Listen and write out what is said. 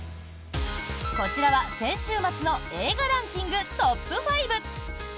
こちらは先週末の映画ランキングトップ５！